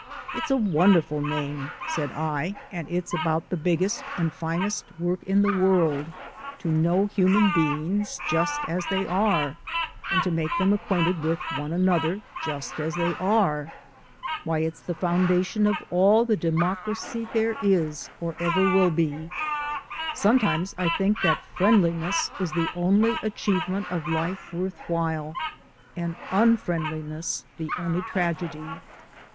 "It's a wonderful name," said I, "and it's about the biggest and finest work in the world to know human beings just as they are, and to make them acquainted with one another just as they are. Why, it's the foundation of all the democracy there is, or ever will be. Sometimes I think that friendliness is the only achievement of life worth while and unfriendliness the only tragedy."